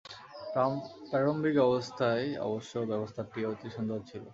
প্রারম্ভিক অবস্থায় অবশ্য ব্যবস্থাটি অতি সুন্দর ছিল।